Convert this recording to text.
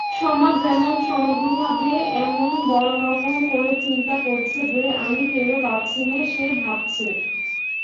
সমাজ এমন সমগ্রভাবে এমন বড়োরকম করে চিন্তা করছে যে আমি টেরও পাচ্ছিনে সে ভাবছে।